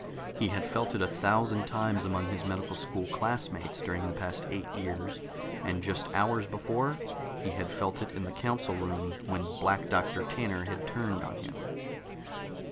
He had felt it a thousand times among his medical school classmates during the past eight years, and just hours before he had felt it in the council room when Black Doctor Tanner had turned on him.